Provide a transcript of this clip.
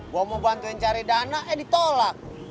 gue mau bantuin cari dana eh ditolak